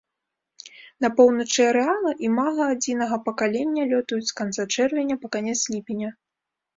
На поўначы арэала імага адзінага пакалення лётаюць з канца чэрвеня па канец ліпеня.